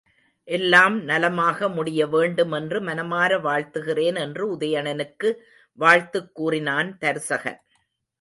எல்லாம் நலமாக முடியவேண்டும் என்று மனமார வாழ்த்துகிறேன் என்று உதயணனுக்கு வாழ்த்துக் கூறினான் தருசகன்.